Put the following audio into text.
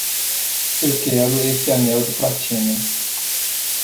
Eu quero esse anel de platina!